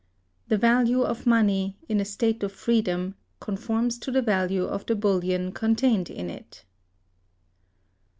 The value of Money, in a state of Freedom, conforms to the value of the Bullion contained in it.